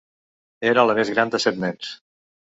Era la més gran de set nens.